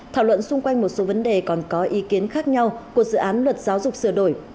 thảo luận xung quanh một số vấn đề còn có ý kiến khác nhau của dự án luật giáo dục sửa đổi